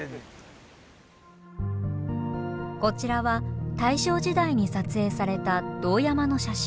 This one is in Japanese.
こちらは大正時代に撮影された堂山の写真。